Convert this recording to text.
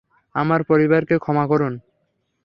আমার পরিবারকে ক্ষমা করুন।